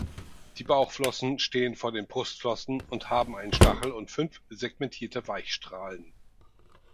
Die Bauchflossen stehen vor den Brustflossen und haben einen Stachel und fünf segmentierte Weichstrahlen.